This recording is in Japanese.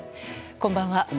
こんばんは。